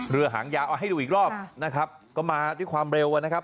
เรือหางยาวเอาให้ดูอีกรอบนะครับก็มาด้วยความเร็วนะครับ